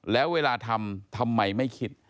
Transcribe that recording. แล้วเวลาทำทำไมไม่คิด